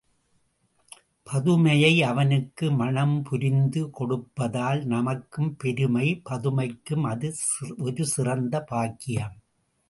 பதுமையை அவனுக்கு மணம்புரிந்து கொடுப்பதால் நமக்கும் பெருமை பதுமைக்கும் அது ஒரு சிறந்த பாக்கியம்.